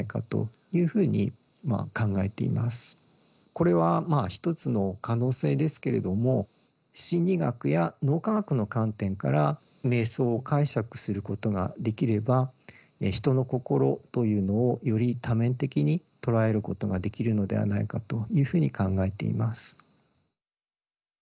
これはまあ一つの可能性ですけれども心理学や脳科学の観点から瞑想を解釈することができれば人の心というのをより多面的に捉えることができるのではないかというふうに考えています。